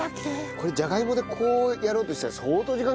これじゃがいもでこうやろうとしたら相当時間かかりますよね。